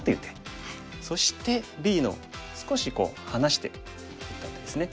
そしてＢの少し離して打った手ですね。